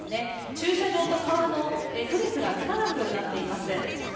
駐車場と川の区別がつかなくなっています。